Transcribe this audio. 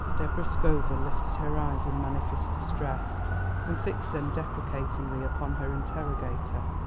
Deborah Scoville lifted her eyes in manifest distress and fixed them deprecatingly upon her interrogator.